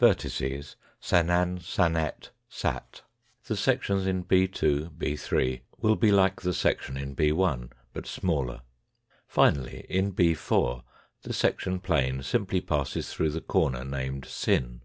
Vertices : sanan, sanet, sat. The sections in b a , b 3 will be like the section in b, but smaller. Finally in b 4 the section plane simply passes through the corner named sin.